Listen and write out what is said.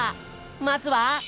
まずは。